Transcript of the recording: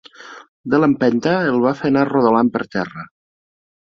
De l'empenta el va fer anar rodolant per terra.